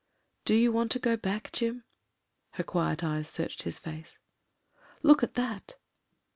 "Do you want to go back, Jim?" Her quiet eyes searched his face. "Look at that."